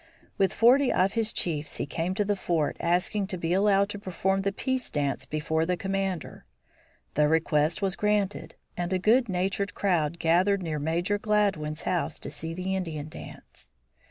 With forty of his chiefs he came to the fort asking to be allowed to perform the peace dance before the commander. The request was granted, and a good natured crowd gathered near Major Gladwin's house to see the Indian dance.